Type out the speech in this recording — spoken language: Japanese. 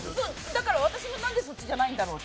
だから私もなんでそっちじゃないんだろうって。